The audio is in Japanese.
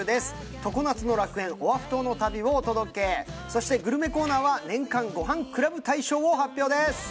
常夏の楽園オアフ島の旅をお届けそしてグルメコーナーは年間ごはんクラブ大賞を発表です！